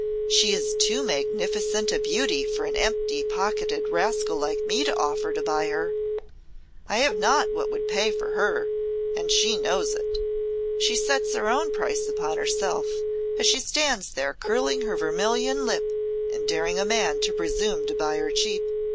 "She is too magnificent a beauty for an empty pocketed rascal like me to offer to buy her. I have not what would pay for her and she knows it. She sets her own price upon herself, as she stands there curling her vermilion lip and daring a man to presume to buy her cheap.